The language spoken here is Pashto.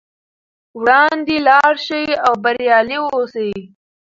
وړاندې لاړ شئ او بریالي اوسئ.